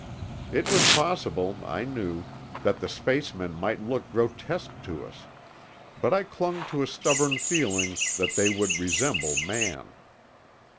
It was possible, I knew, that the spacemen might look grotesque to us. But I clung to a Stubborn feeling that they would resemble man.